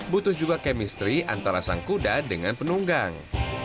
butuh juga kemistri antara sang kuda dengan penunggang